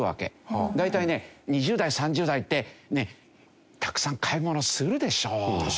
大体ね２０代３０代ってたくさん買い物するでしょ。